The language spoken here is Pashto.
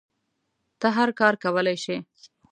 ته هر کار کولی شی